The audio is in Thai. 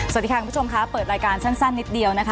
สวัสดีค่ะคุณผู้ชมค่ะเปิดรายการสั้นนิดเดียวนะคะ